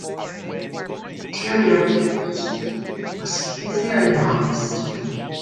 Interior decoration of the mosque is very modest.